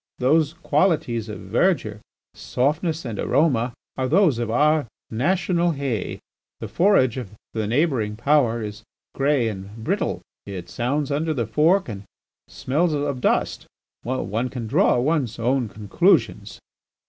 Those qualities of verdure, softness, and aroma, are those of our national hay. The forage of the neighbouring Power is grey and brittle; it sounds under the fork and smells of dust. One can draw one own conclusions."